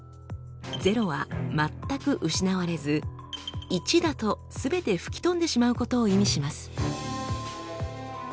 「０」は全く失われず「１」だとすべて吹き飛んでしまうことを意味します。